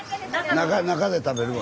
中で食べるわ。